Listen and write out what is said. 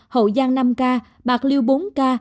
hậu giang năm ca bạc liêu bốn ca